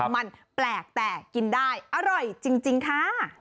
มันแปลกแต่กินได้อร่อยจริงค่ะ